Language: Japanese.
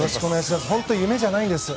本当に夢じゃないんですよ。